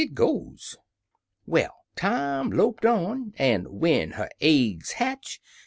Well, time loped on, an", when her aigs hatch.